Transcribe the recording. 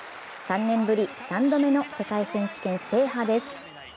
３年ぶり３度目の世界選手権制覇です。